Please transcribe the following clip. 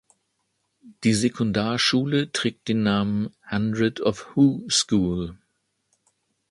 Die Sekundarschule trägt den Namen "Hundred of Hoo School".